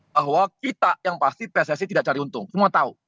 bahwa kita yang pasti pssi tidak cari untung semua tahu